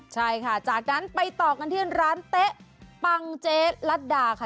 ใช่ค่ะจากนั้นไปต่อกันที่ร้านเต๊ะปังเจ๊ลัดดาค่ะ